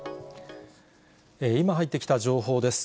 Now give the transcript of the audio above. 今入ってきた情報です。